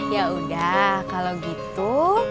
yaudah kalau gitu